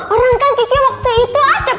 orang kan kiki waktu itu ada